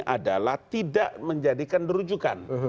adalah tidak menjadikan terujukan